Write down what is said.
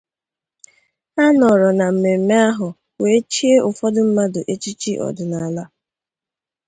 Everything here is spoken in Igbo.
A nọrọ na mmemme ahụ wee chie ụfọdụ mmadụ echichi ọdịnala